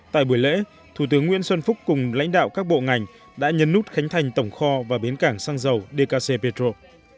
tại buổi lễ thủ tướng nguyễn xuân phúc cùng lãnh đạo các bộ ngành đã nhấn nút khánh thành tổng kho và bến cảng xăng dầu dkc petro